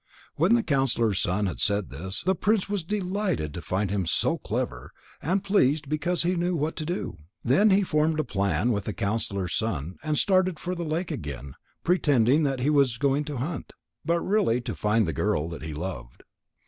When the counsellor's son had said this, the prince was delighted to find him so clever, and pleased because he knew what to do. Then he formed a plan with the counsellor's son, and started for the lake again, pretending that he was going to hunt, but really to find the girl that he loved.